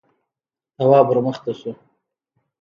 تواب ور مخته شو: